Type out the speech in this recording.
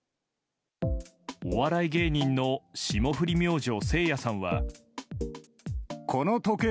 お笑い芸人の霜降り明星せいやさんは。